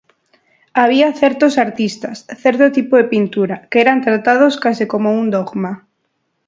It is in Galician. Había certos artistas, certo tipo de pintura, que eran tratados case como un dogma.